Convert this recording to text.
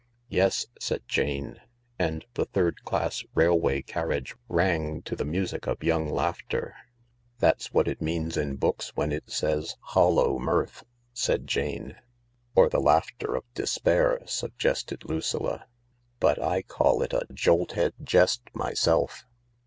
"Yes," said Jane, and the third class railway carriage rang to the music of young laughter. "That's what it means in books when it says 'hollow mirth,' " said Jane. " Or the laughter of despair," suggested Lucilla ;" but I call it a jolt head jest myself."